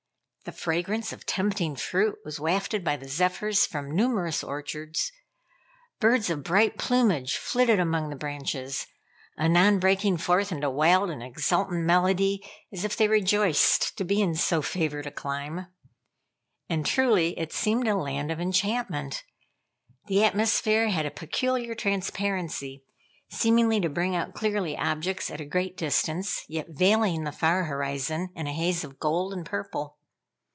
The fragrance of tempting fruit was wafted by the zephyrs from numerous orchards. Birds of bright plumage flitted among the branches, anon breaking forth into wild and exultant melody, as if they rejoiced to be in so favored a clime. And truly it seemed a land of enchantment. The atmosphere had a peculiar transparency, seemingly to bring out clearly objects at a great distance, yet veiling the far horizon in a haze of gold and purple.